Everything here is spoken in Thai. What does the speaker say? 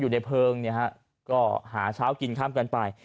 อยู่ในเพิงก็หาเช้ากินข้ามกันไป